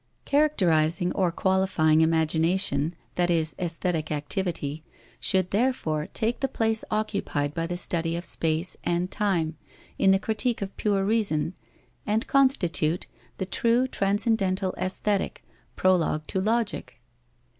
_ Characterizing or qualifying imagination, that is, aesthetic activity, should therefore take the place occupied by the study of space and time in the Critique of Pure Reason, and constitute the true Transcendental Aesthetic, prologue to Logic.